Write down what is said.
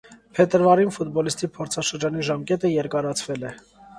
Փետրվարին ֆուտբոլիստի փորձաշրջանի ժամկետը երկարացվել է։